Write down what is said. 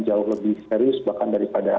jauh lebih serius bahkan daripada